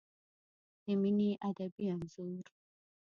د مینې ادبي انځور